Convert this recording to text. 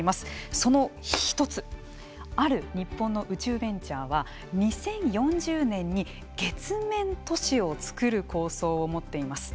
その１つある日本の宇宙ベンチャーは２０４０年に月面都市を作る構想を持っています。